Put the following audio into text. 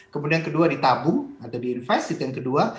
kemudian yang kedua ditabung atau diinvest itu yang kedua